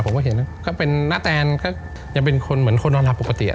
ผมก็เห็นก็เป็นนาแตนก็ยังเป็นคนเหมือนคนนอนหลับปกติ